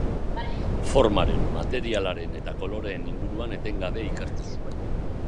Formaren, materialaren eta koloreen inguruan etengabe ikertu zuen.